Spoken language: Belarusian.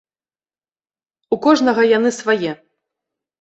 У кожнага яны свае.